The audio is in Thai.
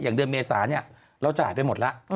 อย่างเดิมเมษานี่เราจ่ายไปหมดละ